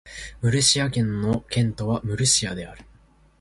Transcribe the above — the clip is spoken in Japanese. ムルシア県の県都はムルシアである